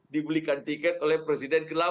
dibelikan tiket oleh presiden ke delapan